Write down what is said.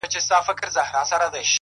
o د ژوندون ساه او مسيحا وړي څوك ـ